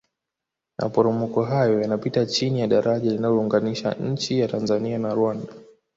maporomoko hayo yanapita chini ya daraja linalounganisha nchi ya tanzania na rwanda